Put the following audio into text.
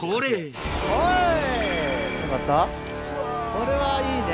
これはいいね。